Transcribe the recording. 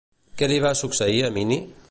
Què li va succeir a Mini?